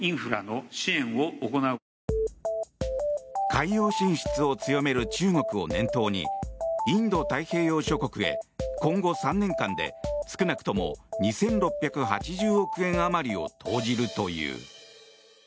海洋進出を強める中国を念頭にインド太平洋諸国へ今後３年間で少なくとも２６８０億円あまりを投じるという。